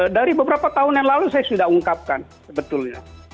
dari beberapa tahun yang lalu saya sudah ungkapkan sebetulnya